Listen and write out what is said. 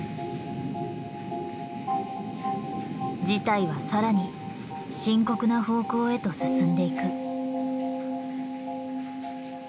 事態はさらに深刻な方向へと進んでいく。